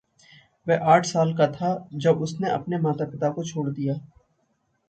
वह आठ साल का था जब उसने अपने माता-पिता को छोड़ दिया।